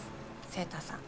晴太さん